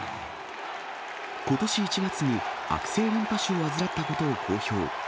ことし１月に悪性リンパ腫を患ったことを公表。